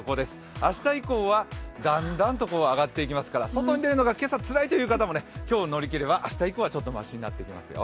明日以降はだんだんと上がっていきますから外に出るのが今朝つらいという方も、今日を乗り切れば明日以降はちょっとましになってきますよ。